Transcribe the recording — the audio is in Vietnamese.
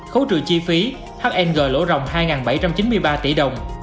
khấu trừ chi phí hmg lỗ rồng hai bảy trăm chín mươi ba tỷ đồng